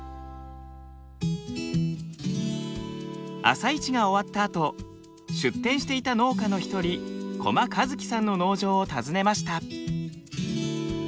朝市が終わったあと出店していた農家の一人小間一貴さんの農場を訪ねました。